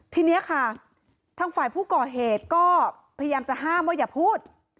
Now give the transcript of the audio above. ทีนี้ค่ะทางฝ่ายผู้ก่อเหตุก็พยายามจะห้ามว่าอย่าพูด